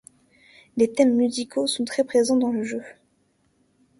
Les thèmes musicaux sont très présents dans le jeu.